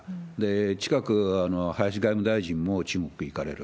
近く、林外務大臣も中国へ行かれる。